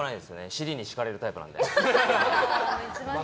尻に敷かれるタイプなので。